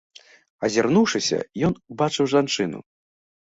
Азірнуўшыся, ён убачыў жанчыну.